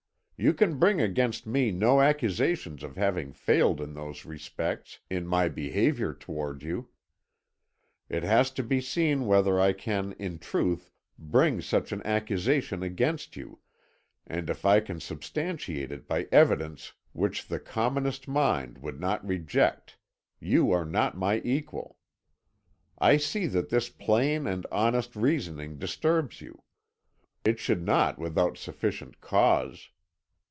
You can bring against me no accusation of having failed in those respects in my behaviour towards you. It has to be seen whether I can in truth bring such an accusation against you, and if I can substantiate it by evidence which the commonest mind would not reject, you are not my equal. I see that this plain and honest reasoning disturbs you; it should not without sufficient cause.